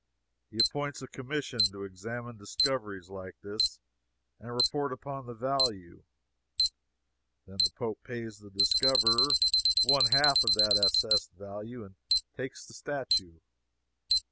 He appoints a commission to examine discoveries like this and report upon the value; then the Pope pays the discoverer one half of that assessed value and takes the statue.